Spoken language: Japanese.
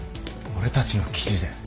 俺たちの記事で？